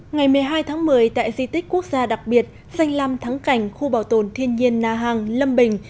ngày một mươi hai tháng một mươi tại di tích quốc gia đặc biệt danh lam thắng cảnh khu bảo tồn thiên nhiên na hàng lâm bình